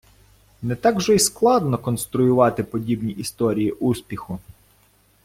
Не так вже й складно конструювати подібні історії успіху.